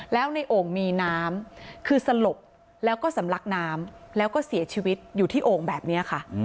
แล้วในโอ่งมีน้ำคือสลบแล้วก็สำลักน้ำแล้วก็เสียชีวิตอยู่ที่โอ่งแบบนี้ค่ะ